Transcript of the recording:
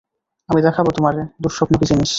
আমি দেখাবো তোমারে, দুঃস্বপ্ন কি জিনিস।